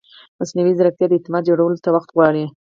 مصنوعي ځیرکتیا د اعتماد جوړولو ته وخت غواړي.